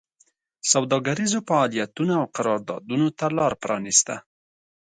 سوداګریزو فعالیتونو او قراردادونو ته لار پرانېسته